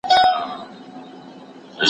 چي پر غولي د ماتم ووايی ساندي